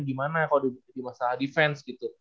gimana kalau jadi masalah defense gitu